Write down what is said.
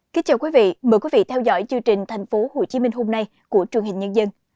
kính chào quý vị mời quý vị theo dõi chương trình thành phố hồ chí minh hôm nay của truyền hình nhân dân